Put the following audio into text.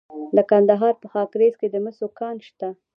د کندهار په خاکریز کې د مسو کان شته.